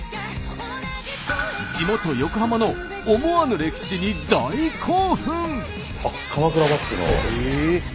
地元横浜の思わぬ歴史に大興奮！